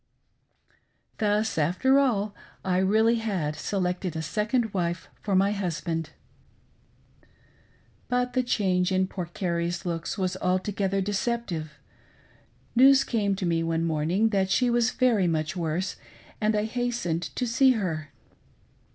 Thus, after all, I really had selected a second wife for my husband ! But the change in poor Carrie's looks was altogether deceptive. News came to me one morning that she was very much worse, and I hastened to see her.